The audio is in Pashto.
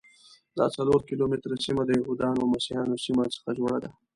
دا څلور کیلومتره سیمه د یهودانو او مسیحیانو سیمو څخه جوړه ده.